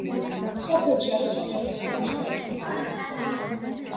სოფელში არის საჯარო სკოლა, საექიმო პუნქტი.